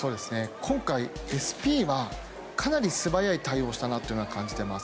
今回、ＳＰはかなり素早い対応をしたと感じています。